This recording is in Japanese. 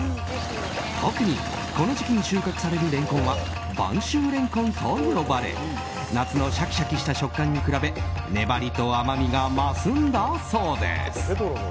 特に、この時期に収穫されるレンコンは晩秋レンコンと呼ばれ夏のシャキシャキした食感に比べ粘りと甘みが増すんだそうです。